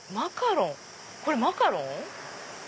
これマカロン？